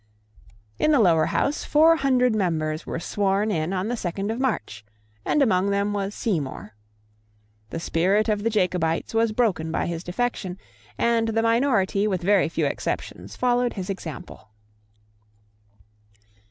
In the Lower House four hundred members were sworn in on the second of March; and among them was Seymour. The spirit of the Jacobites was broken by his defection; and the minority with very few exceptions followed his example.